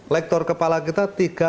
lektor kepala kita tiga puluh satu